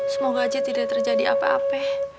semoga aja tidak terjadi apa apa